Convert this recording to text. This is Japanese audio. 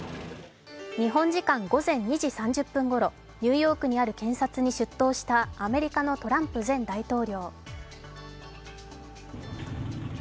日本時間午前２時３０分ごろニューヨークにある検察に出頭したアメリカのトランプ前大統領。